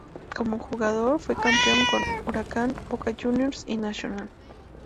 Como jugador, fue campeón con Huracán, Boca Juniors y Nacional.